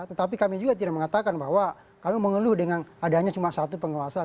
tetapi kami juga tidak mengatakan bahwa kami mengeluh dengan adanya cuma satu penguasa